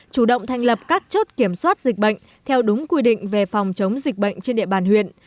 chủ động thành lập các chốt kiểm soát dịch bệnh theo đúng quy định về phòng chống dịch bệnh trên địa bàn huyện